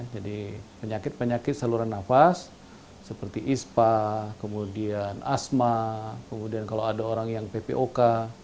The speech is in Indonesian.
jadi penyakit penyakit saluran nafas seperti ispa kemudian asma kemudian kalau ada orang yang ppok